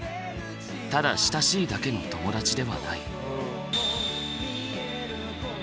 ただ親しいだけの友達ではない。